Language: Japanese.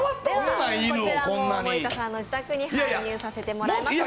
こちらも森田さんの自宅に搬入させていただきます。